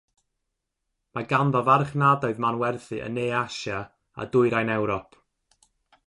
Mae ganddo farchnadoedd manwerthu yn Ne Asia a Dwyrain Ewrop.